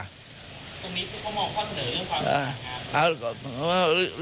ตรงนี้คุณพ่อมองข้อเสนอเรื่องความสง่ายงาม